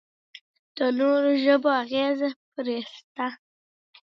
د نورو ژبو اغېز پرې شته.